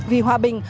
vì hòa bình